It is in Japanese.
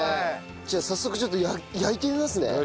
じゃあ早速ちょっと焼いてみますね。